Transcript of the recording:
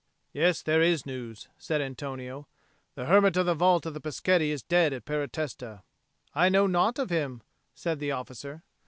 "Yes, there is news," said Antonio. "The hermit of the vault of the Peschetti is dead at Baratesta." "I know naught of him," said the officer.